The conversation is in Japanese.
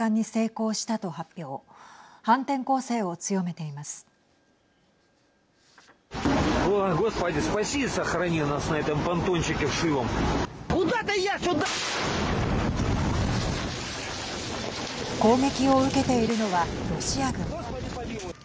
攻撃を受けているのはロシア軍。